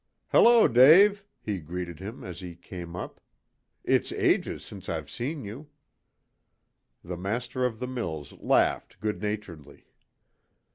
"Hello, Dave," he greeted him, as he came up. "It's ages since I've seen you." The master of the mills laughed good naturedly.